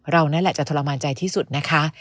เรานั่นแหละจะทรมานใจที่สุดนะคะ